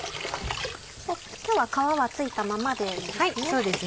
今日は皮は付いたままでいいんですね。